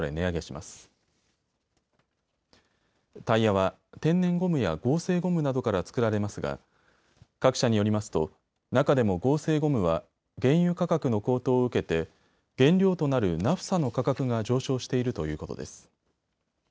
タイヤは天然ゴムや合成ゴムなどから作られますが各社によりますと中でも合成ゴムは原油価格の高騰を受けて原料となるナフサの価格が上昇しているということです。